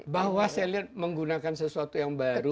bahwa saya lihat menggunakan sesuatu yang baru